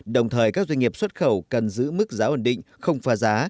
đồng thời các doanh nghiệp xuất khẩu cần giữ mức giá ổn định không pha giá